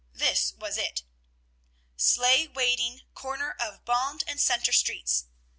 This was it, "Sleigh waiting corner of Bond and Centre Streets.